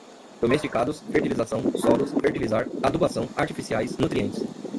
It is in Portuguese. domesticados, fertilização, solos, fertilizar, adubação, artificiais, nutrientes